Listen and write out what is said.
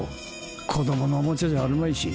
子供のオモチャじゃあるまいし。